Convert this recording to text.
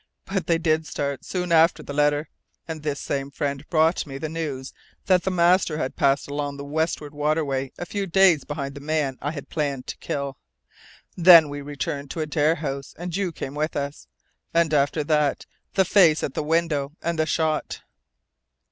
But they did start soon after the letter, and this same friend brought me the news that the master had passed along the westward waterway a few days behind the man I had planned to kill. Then we returned to Adare House, and you came with us. And after that the face at the window, and the shot!"